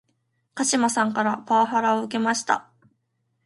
鹿島さんからパワハラを受けました